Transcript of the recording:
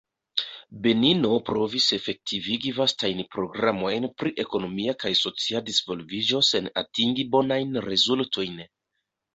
Benino provis efektivigi vastajn programojn pri ekonomia kaj socia disvolviĝo sen atingi bonajn rezultojn.